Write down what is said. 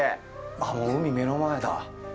あっ、もう海、目の前だ！